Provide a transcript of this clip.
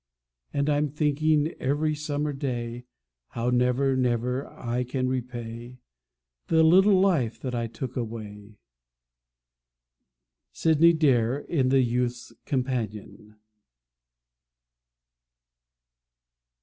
And I'm thinking, every summer day, How never, never, I can repay The little life that I took away. SYDNEY DAYRE, in The Youth's Companion.